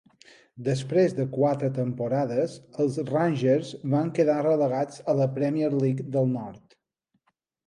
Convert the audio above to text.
Després de quatre temporades, els Rangers van quedar relegats a la Premier League del Nord.